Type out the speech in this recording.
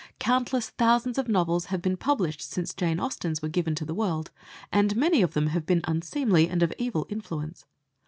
Countless thousands of novels have been published since Jane Austen's were given to the world, and many of them have been unseemly, and of evil influence.